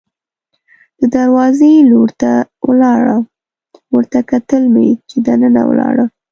د دروازې لور ته ولاړو، ورته کتل مې چې دننه ولاړه.